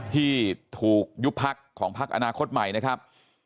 ที่ถูกยุบพักของพักอนาคตใหม่นะครับ